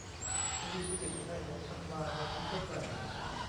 คดีคุณเอกชัย หงส์กังวาน วันนี้ ก็แปลก